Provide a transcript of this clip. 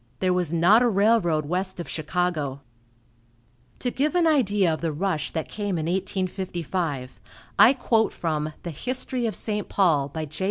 There was not a railroad west of Chicago. To give an idea of the rush that came in 1855, I quote from the "History of St. Paul," by J.